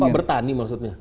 bapak bertani maksudnya